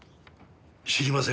知りません。